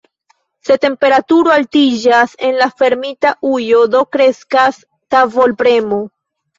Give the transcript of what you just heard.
Se temperaturo altiĝas en la fermita ujo, do kreskas tavolpremo.